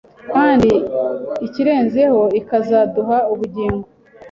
kandi ikirenzeho ikazaduha ubugingo ,